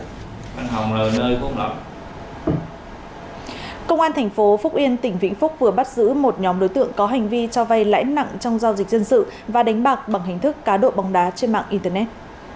công an thành phố phúc yên tỉnh vĩnh phúc vừa bắt giữ một nhóm đối tượng có hành vi cho vay lãi nặng trong giao dịch dân sự và đánh bạc bằng hình thức cá độ bóng đá trên mạng internet